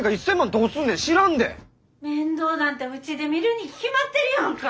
面倒なんてうちで見るに決まってるやんか！